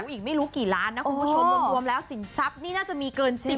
อีกไม่รู้กี่ล้านนะคุณผู้ชมรวมแล้วสินทรัพย์นี่น่าจะมีเกิน๑๐